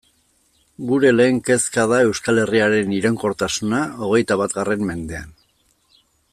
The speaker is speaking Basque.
Gure lehen kezka da Euskal Herriaren iraunkortasuna hogeita batgarren mendean.